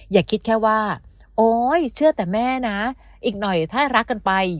อย่าคิดแค่ว่าโอ๊ยเชื่อแต่แม่นะอีกหน่อยถ้ารักกันไป